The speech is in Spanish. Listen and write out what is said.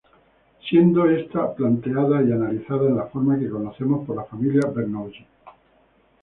Siendo está planteada y analizada en la forma que conocemos por la familia Bernoulli.